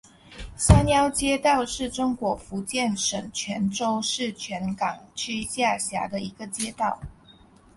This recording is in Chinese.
山腰街道是中国福建省泉州市泉港区下辖的一个街道。